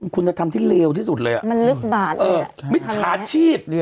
คุณธรรมที่เลวที่สุดเลยอ่ะมันลึกบาดเออมิตรฉาดชีพเรียบ